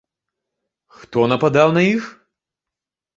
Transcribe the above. Хто нападаў на іх?